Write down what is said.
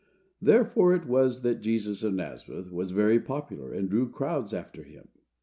Therefore it was that Jesus of Nazareth was very popular, and drew crowds after him.